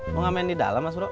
mau ngamen di dalam mas bro